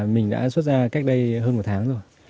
mình đã xuất ra cách đây hơn một tháng rồi